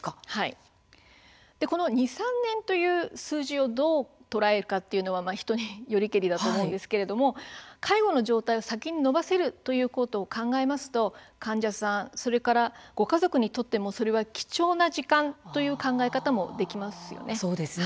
この２、３年という数字をどう捉えるかというのは人によりけりだと思うんですが介護の状態を先に延ばせるということを考えますと患者さん、それからご家族にとってもそれは貴重な時間という考え方もできますよね。